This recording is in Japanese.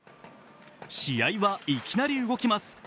試合はいきなり動きます。